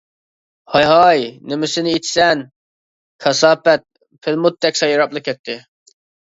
ھاي-ھاي، نېمىسىنى ئېيتىسەن، كاساپەت پىلىموتتەك سايراپلا كەتتى.